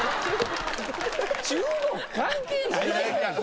中国関係ないで。